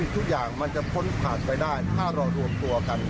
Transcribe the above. ทุกอย่างมันจะพ้นผ่านไปได้ถ้าเรารวมตัวกัน